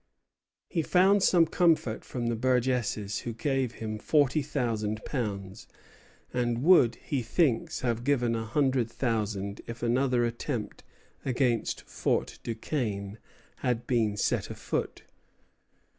He found some comfort from the burgesses, who gave him forty thousand pounds, and would, he thinks, have given a hundred thousand if another attempt against Fort Duquesne had been set afoot.